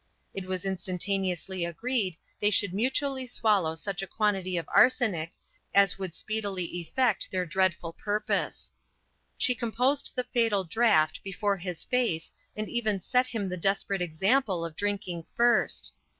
It was instantaneously agreed they should mutually swallow such a quantity of arsenic, as would speedily effect their dreadful purpose. She composed the fatal draught before his face and even set him the desperate example of drinking first.